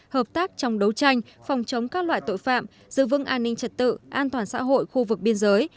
hợp tác trong đấu tranh phòng chống các loại tội phạm giữ vững an ninh trật tự an toàn xã hội khu vực biên giới